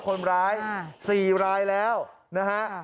คนร้าย๔รายแล้วนะฮะ